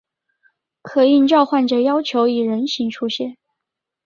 可应召唤者要求以人形出现。